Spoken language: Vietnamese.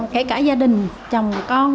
kể cả gia đình chồng con